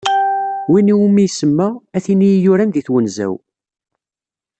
Win iwumi isemma: «A tin iyi-yuran deg twenza-w."